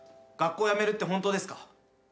学校辞めるって本当ですか？